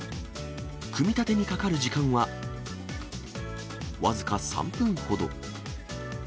組み立てにかかる時間は、僅か３分ほど。